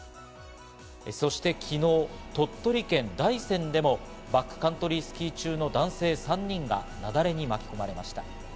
そして昨日、鳥取県大山でもバックカントリースキー中の男性３人が雪崩に巻き込まれました。